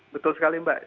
betul sekali mbak